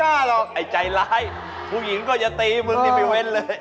หรอกไอ้ใจร้ายผู้หญิงก็จะตีมึงนี่ไม่เว้นเลย